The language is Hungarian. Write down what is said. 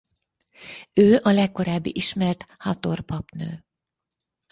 Ő a legkorábbi ismert Hathor-papnő.